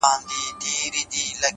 كوټه ښېراوي هر ماښام كومه،